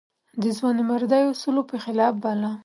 د ځوانمردۍ اصولو په خلاف باله.